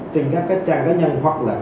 trên các trang cá nhân hoặc là